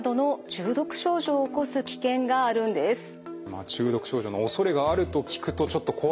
中毒症状のおそれがあると聞くとちょっと怖いなという感じがします。